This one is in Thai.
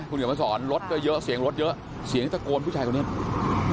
คุณเขียนมาสอนรถก็เยอะเสียงรถเยอะเสียงตะโกนผู้ชายคนนี้